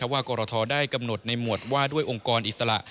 กรทได้กำหนดในหมวดว่าด้วยองค์กรอิสระ